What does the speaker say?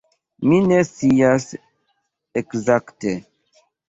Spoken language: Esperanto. Mi ne scias ekzakte.